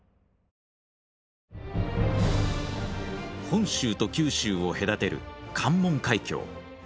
本州と九州を隔てる関門海峡。